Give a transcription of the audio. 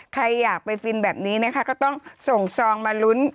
ใครอยากไปฟินแบบนี้นะคะก็ต้องส่งซองมาลุ้น